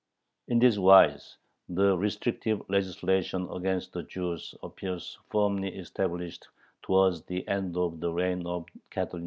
In this wise the restrictive legislation against the Jews appears firmly established towards the end of the reign of Catherine II.